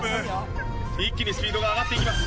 一気にスピードが上がっていきます！